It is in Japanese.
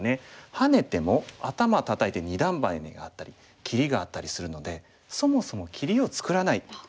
ハネても「アタマたたいて二段バネ」にあったり切りがあったりするのでそもそも切りを作らない。